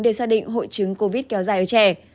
để xác định hội chứng covid kéo dài ở trẻ